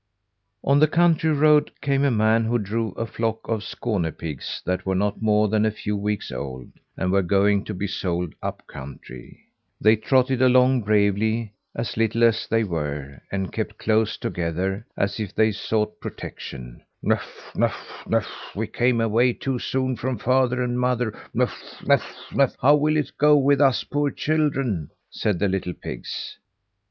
On the country road came a man who drove a flock of Skåne pigs that were not more than a few weeks old, and were going to be sold up country. They trotted along bravely, as little as they were, and kept close together as if they sought protection. "Nuff, nuff, nuff, we came away too soon from father and mother. Nuff, nuff, nuff, how will it go with us poor children?" said the little pigs.